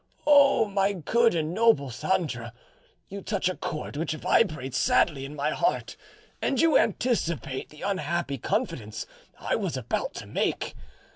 O my good and noble Sandra, you touch a chord which vibrates sadly in my heart, and you anticipate the unhappy confidence I was about to make.